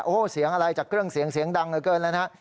โอ้เสียงอะไรจากเครื่องเสียงเสียงดังเกินแล้วนะครับ